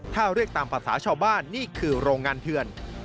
ถ้าเรียกตามภาษาชาวบ้านนี่คือโรงงานเถื่อน